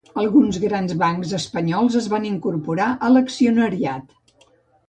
Alguns grans bancs espanyols es van incorporar a l'accionariat.